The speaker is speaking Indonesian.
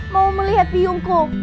mau melihat biongkoh